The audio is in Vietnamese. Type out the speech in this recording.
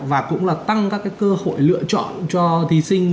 và cũng là tăng các cơ hội lựa chọn cho thí sinh